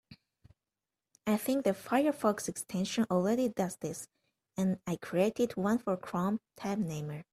I think the Firefox extension already does this, and I created one for Chrome, Tab Namer.